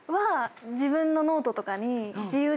自分のノートとかに。